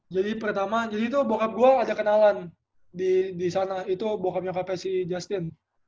jadi pertama jadi itu bokap gue ada kenalan di sana itu bokap nyokapnya si justin